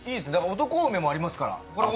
男梅もありますから。